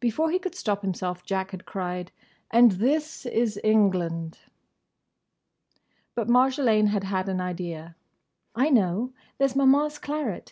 Before he could stop himself Jack had cried "And this is England!" But Marjolaine had had an idea. "I know! There 's Maman's claret.